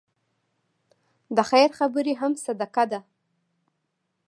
د خیر خبرې هم صدقه ده.